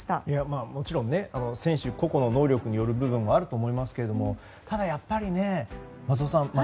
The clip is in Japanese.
もちろん選手個々の能力による部分もあると思いますがただやっぱり松尾さん